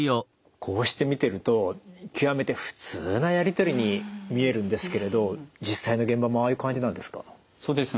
こうして見てると極めて普通なやり取りに見えるんですけれど実際の現場もああいう感じなんですか？